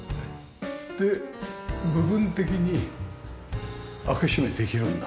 で部分的に開け閉めできるんだ。